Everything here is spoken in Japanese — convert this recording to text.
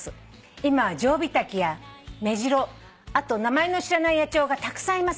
「今はジョウビタキやメジロあと名前の知らない野鳥がたくさんいます。